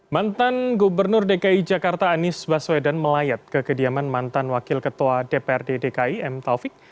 mantan gubernur dki jakarta anies baswedan melayat ke kediaman mantan wakil ketua dprd dki m taufik